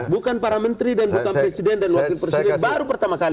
bukan para menteri dan bukan presiden dan wakil presiden baru pertama kali